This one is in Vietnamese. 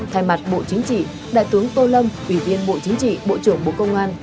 thay mặt bộ chính trị đại tướng tô lâm ủy viên bộ chính trị bộ trưởng bộ công an